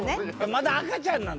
まだ赤ちゃんなんだ。